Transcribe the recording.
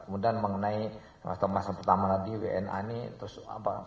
kemudian mengenai masa pertama nanti wna ini terus apa